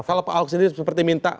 kalau pak ahok sendiri seperti minta